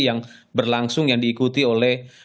yang berlangsung yang diikuti oleh